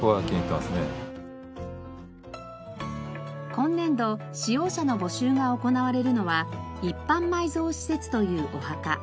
今年度使用者の募集が行われるのは一般埋蔵施設というお墓。